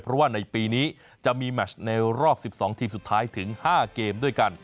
เพราะว่าในปีนี้จะมีแมชในรอบ๑๒ทีมสุดท้ายถึง๕เกมด้วยกัน